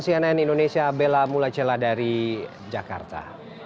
saya anand indonesia bella mulacela dari jakarta